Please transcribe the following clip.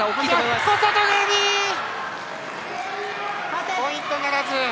しかしポイントならず。